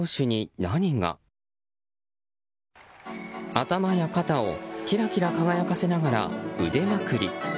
頭や肩をキラキラ輝かせながら腕まくり。